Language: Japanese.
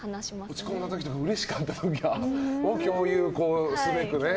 落ち込んだ時とかうれしかった時は共有をすべくね。